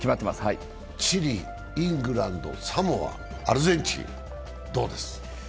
チリ、イングランド、サモア、アルゼンチン、どうです？